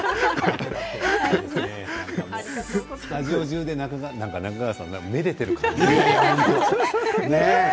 スタジオ中で中川さんをめでている感じですね。